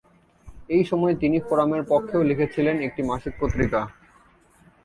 এই সময়ে তিনি "ফোরামের" পক্ষেও লিখেছিলেন, এটি একটি মাসিক পত্রিকা।